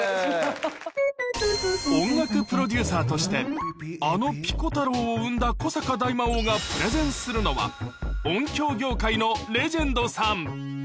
音楽プロデューサーとして、あのピコ太郎を生んだ古坂大魔王がプレゼンするのは、音響業界のレジェンドさん。